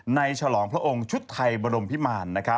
ฉลองพระองค์ชุดไทยบรมพิมาร